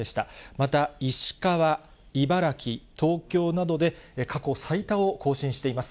また、石川、茨城、東京などで過去最多を更新しています。